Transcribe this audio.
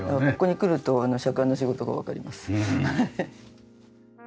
ここに来ると左官の仕事がわかります。